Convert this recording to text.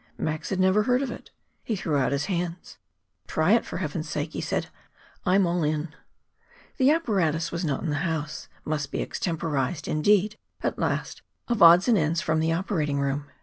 Max had never heard of it. He threw out his hands. "Try it, for Heaven's sake," he said. "I'm all in." The apparatus was not in the house must be extemporized, indeed, at last, of odds and ends from the operating room.